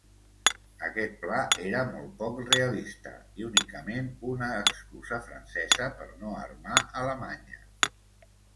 Aquest pla era molt poc realista, i únicament una excusa francesa per no armar Alemanya.